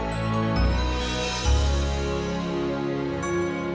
mba abe dulu lagi